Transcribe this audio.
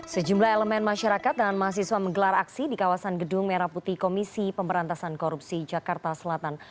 sejumlah elemen masyarakat dan mahasiswa menggelar aksi di kawasan gedung merah putih komisi pemberantasan korupsi jakarta selatan